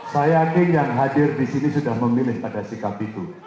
saya yakin yang hadir di sini sudah memilih pada sikap itu